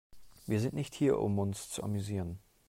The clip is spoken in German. Wir sind nicht hier, um uns zu amüsieren.